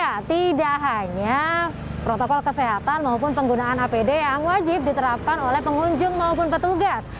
ya tidak hanya protokol kesehatan maupun penggunaan apd yang wajib diterapkan oleh pengunjung maupun petugas